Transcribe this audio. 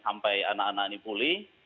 sampai anak anak ini pulih